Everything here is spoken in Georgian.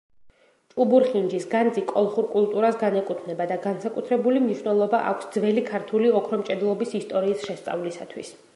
ჭუბურხინჯის განძი კოლხურ კულტურას განეკუთვნება და განსაკუთრებული მნიშვნელობა აქვს ძველი ქართული ოქრომჭედლობის ისტორიის შესწავლისათვის.